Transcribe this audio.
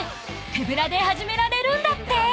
［手ぶらで始められるんだって］